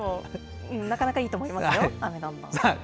でも、なかなかいいと思いますよ。